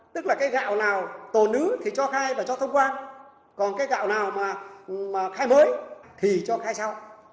tức là cái gạo nào tổ nữ thì cho khai và cho thông quan còn cái gạo nào mà khai mới thì cho khai sau